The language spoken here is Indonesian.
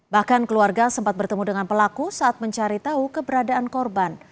bahkan keluarga sempat bertemu dengan pelaku saat mencari tahu keberadaan korban